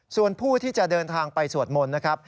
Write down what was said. ส่วนผู้ที่จะเดินทางไปสวดมนต์นะครับ